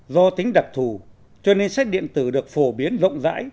do tính đặc thù cho nên sách điện tử được phổ biến rộng rãi